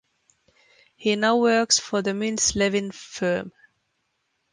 He now works for the Mintz Levin firm.